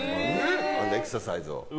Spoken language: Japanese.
エクササイズを。